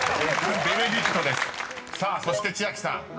［さあそして千秋さん］